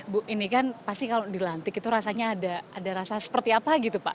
bu ini kan pasti kalau dilantik itu rasanya ada rasa seperti apa gitu pak